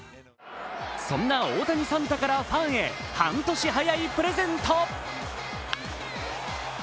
そんな大谷サンタからファンへ半年早いプレゼント。